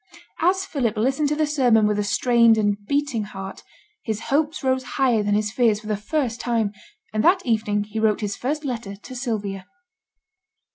As Philip listened to the sermon with a strained and beating heart, his hopes rose higher than his fears for the first time, and that evening he wrote his first letter to Sylvia.